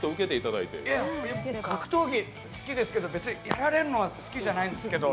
格闘技好きですけど、別にやられるのは好きじゃないんですけど。